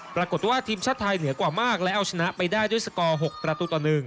ปรากฏว่าทีมชาติไทยเหนือกว่ามากและเอาชนะไปได้ด้วยสกอร์๖ประตูต่อ๑